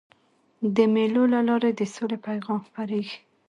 د مېلو له لاري د سولي پیغام خپرېږي.